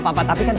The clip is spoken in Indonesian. pak tapi kan